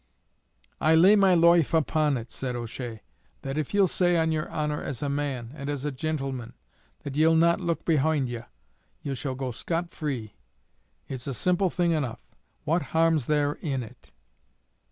"I lay my loife upon it," said O'Shea, "that if ye'll say on yer honour as a man, and as a gintleman, that ye'll not look behoind ye, ye shall go scot free. It's a simple thing enough; what harm's there in it?"